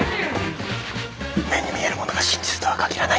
目に見えるものが真実とは限らない。